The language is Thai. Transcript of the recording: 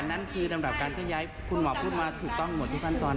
นั่นคือลำดับการเคลื่อนย้ายคุณหมอพูดมาถูกต้องหมดทุกขั้นตอน